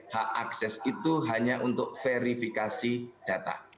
hak akses itu hanya untuk verifikasi data